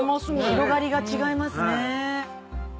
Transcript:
広がりが違いますね。